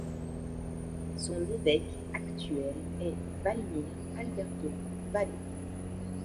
Son évêque actuel est Walmir Alberto Valle.